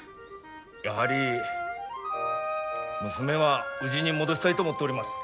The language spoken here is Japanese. やはり娘はうぢに戻したいと思っております。